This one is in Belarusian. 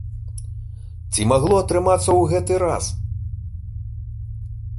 Ці магло атрымацца ў гэты раз?